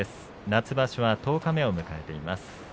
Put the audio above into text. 夏場所は十日目を迎えています。